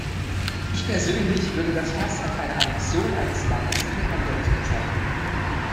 Ich persönlich würde das fast als eine Annexion eines Landes durch ein anderes bezeichnen.